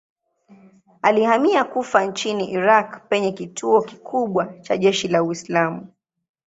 Alihamia Kufa nchini Irak penye kituo kikubwa cha jeshi la Uislamu.